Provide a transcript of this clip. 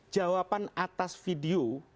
jawaban atas video